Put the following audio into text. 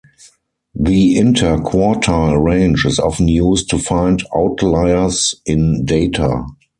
The interquartile range is often used to find outliers in data.